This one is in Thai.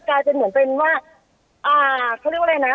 กลายเป็นเหมือนเป็นว่าอ่าเขาเรียกว่าอะไรนะ